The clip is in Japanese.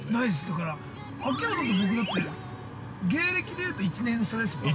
だから、秋山さんと僕、だって芸歴で言うと１年差ですもんね。